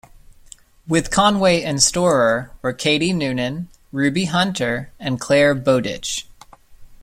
With Conway and Storer were Katie Noonan, Ruby Hunter and Clare Bowditch.